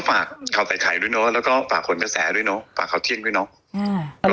ก็ฝากเขาไตไขด้วยเนาะและฝากเขาเขาเที่ยงด้วยนะ